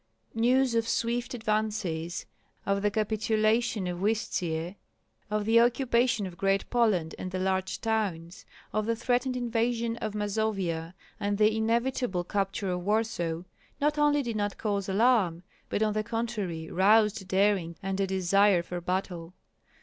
News of swift advances, of the capitulation of Uistsie, of the occupation of Great Poland and the large towns, of the threatened invasion of Mazovia and the inevitable capture of Warsaw, not only did not cause alarm, but on the contrary roused daring and a desire for battle.